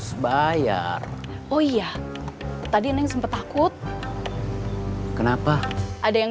sampai jumpa di video selanjutnya